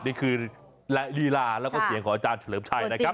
นี่คือลีลาแล้วก็เสียงของอาจารย์เฉลิมชัยนะครับ